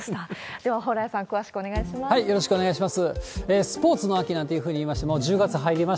では、蓬莱さん、よろしくお願いします。